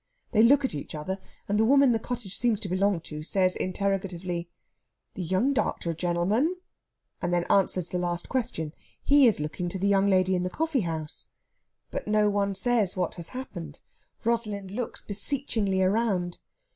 They look at each other, and the woman the cottage seems to belong to says interrogatively, "The young doctor gentleman?" and then answers the last question. He is looking to the young lady in at the Coffeehouse. But no one says what has happened. Rosalind looks beseechingly round.